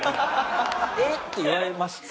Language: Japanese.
「えっ！？」って言われましたよね？